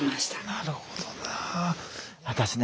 なるほどな。